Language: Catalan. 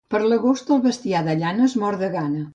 Per l'agost el bestiar de llana es mor de gana.